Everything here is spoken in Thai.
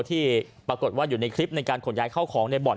ที่ปรากฏว่าอยู่ในคลิปในการขนย้ายเข้าของในบ่อน